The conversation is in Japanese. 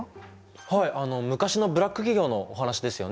はいあの昔のブラック企業のお話ですよね！